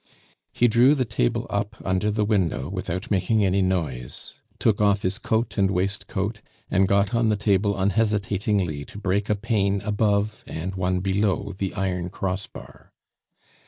He drew the table up under the window without making any noise, took off his coat and waistcoat, and got on the table unhesitatingly to break a pane above and one below the iron cross bar.